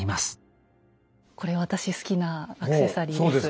これ私好きなアクセサリーです。